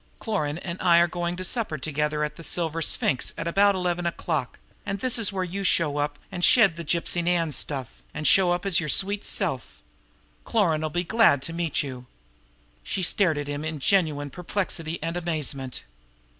Cloran and I are going to supper together at the Silver Sphinx at about eleven o'clock and this is where you shed the Gypsy Nan stuff, and show up as your own sweet self. Cloran'll be glad to meet you!" She stared at him in genuine perplexity and amazement.